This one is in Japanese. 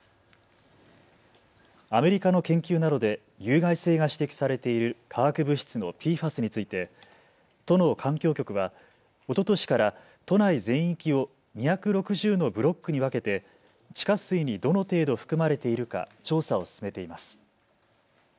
アメリカの研究などで有害性が指摘されている化学物質のＰＦＡＳについて都の環境局はおととしから都内全域を２６０のブロックに分けて地下水にどの程度含まれているか調査を進めています。